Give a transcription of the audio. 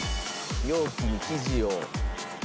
容器に生地を。